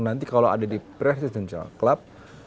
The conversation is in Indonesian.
nanti kalau ada di presidensial club